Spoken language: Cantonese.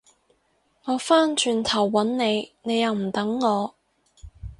我返轉頭搵你，你又唔等我